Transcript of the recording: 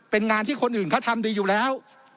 เป็นงานที่คนอื่นเขาทำดีอยู่แล้ว